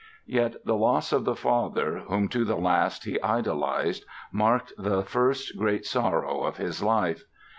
Yet the loss of the father whom, to the last, he idolized marked the first great sorrow of his life.